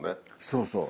そうそう。